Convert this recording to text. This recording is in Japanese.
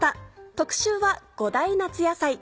特集は５大夏野菜。